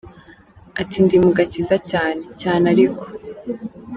Ati “Ndi mu gakiza cyane, cyane ariko.